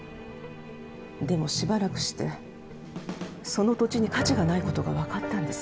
でもしばらくしてその土地に価値がないことがわかったんです。